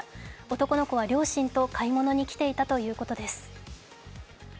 男の子は両親と買い物に来ていたということです。